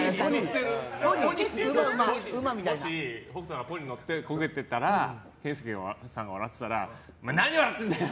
もし北斗さんがポニーに乗っていてこけて、健介さんが笑ってたらお前何笑ってんだよ！